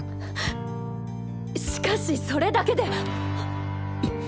しかしそれだけでハッ！